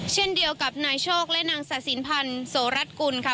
เช่นเดียวกับนายโชคและนางศาสินพันธ์โสรัสกุลค่ะ